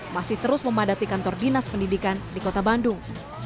masih terus memadati kantor dinas pendidikan di kota bandung